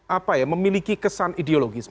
apa ya memiliki kesan ideologis